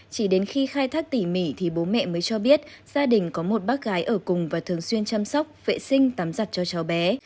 chỉ đến khi khai thác tỉ mỉ thì bố mẹ mới cho biết gia đình có một bác gái ở cùng và thường xuyên chăm sóc vệ sinh tắm giặt cho cháu bé